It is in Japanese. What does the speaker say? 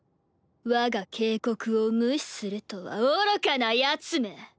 我が警告を無視するとは愚かなヤツめ。